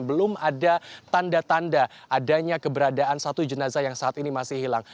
belum ada tanda tanda adanya keberadaan satu jenazah yang saat ini masih hilang